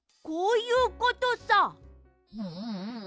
こういうことさ！